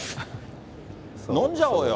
飲んじゃおうよ。